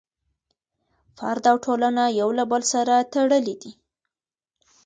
فرد او ټولنه یو له بل سره تړلي دي.